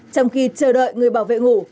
trong khi chờ đợi người bảo vệ ngủ